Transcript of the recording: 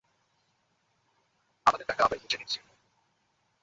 আমাদের টাকা আমরাই বুঝে নিচ্ছি।